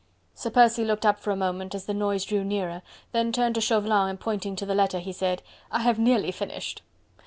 Sir Percy looked up for a moment as the noise drew nearer, then turned to Chauvelin and pointing to the letter, he said: "I have nearly finished!"